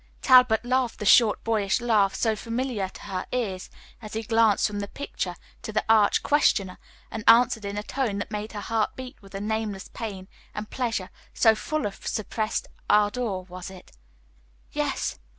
Talbot laughed the short, boyish laugh so familiar to her ears, as he glanced from the picture to the arch questioner, and answered in a tone that made her heart beat with a nameless pain and pleasure, so full of suppressed ardor was it: "Yes!